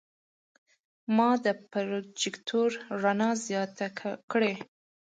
ما د پروجیکتور رڼا زیاته کړه.